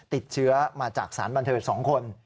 ติดเชื้อมาจากสารบันเทิง๒คน